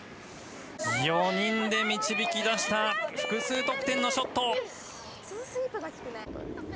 ４人で導き出した複数得点のショット。